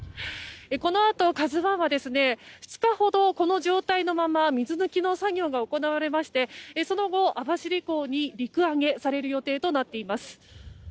このあと、「ＫＡＺＵ１」は２日ほどこの状態のまま水抜きの作業が行われましてその後、網走港に陸揚げされる予定となっています。